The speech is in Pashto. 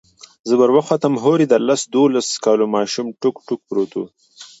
زه وروختم هورې د لس دولسو كالو ماشوم ټوك ټوك پروت و.